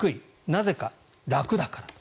なぜか、楽だから。